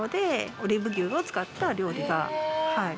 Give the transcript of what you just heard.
オリーブ牛を使った料理が。